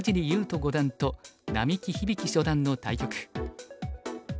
人五段と並木響初段の対局。